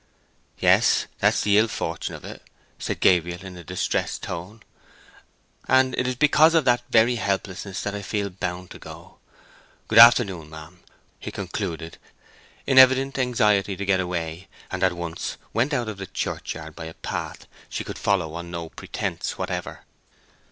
"Yes, that's the ill fortune o' it," said Gabriel, in a distressed tone. "And it is because of that very helplessness that I feel bound to go. Good afternoon, ma'am" he concluded, in evident anxiety to get away, and at once went out of the churchyard by a path she could follow on no pretence whatever.